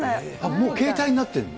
もう携帯になってるんだ。